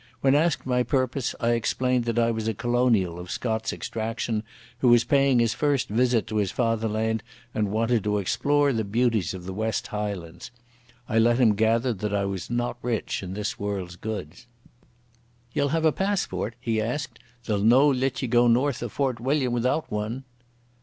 When asked my purpose, I explained that I was a colonial of Scots extraction, who was paying his first visit to his fatherland and wanted to explore the beauties of the West Highlands. I let him gather that I was not rich in this world's goods. "Ye'll have a passport?" he asked. "They'll no let ye go north o' Fort William without one."